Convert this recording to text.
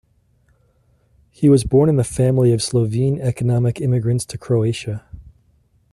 He was born in a family of Slovene economic immigrants to Croatia.